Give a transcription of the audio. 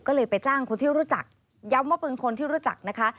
ก็เลยไปจ้างคนที่รู้จักย้ำว่าเป็นคนที่รู้จักนะคะ